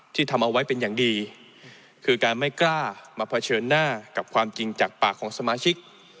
ทำเอาไว้เป็นอย่างดีคือการไม่กล้ามาเผชิญหน้ากับความจริงจากปากของสมาชิก